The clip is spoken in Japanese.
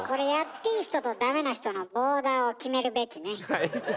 はい。